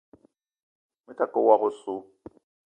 Me ta ke woko oso.